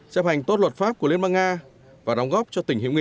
chấp hành tốt luật pháp của liên bang nga và đóng góp cho tỉnh hiểm nghị